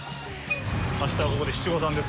あしたここで七五三です。